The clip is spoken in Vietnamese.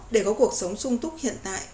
để có cuộc sống sung túc hiện tại